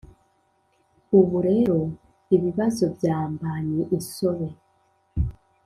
ubu rero ibibazo byamba nye insobe